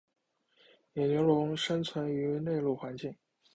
野牛龙生存于内陆环境。